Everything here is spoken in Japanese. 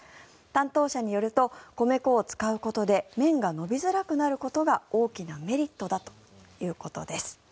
担当者によると米粉を使うことで麺が伸びづらくなることが大きなメリットだということです。